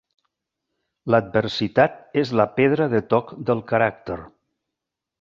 L'adversitat és la pedra de toc del caràcter.